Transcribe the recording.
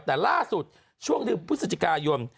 แต่ล่าสุดช่วงเดือนพฤศจิกายน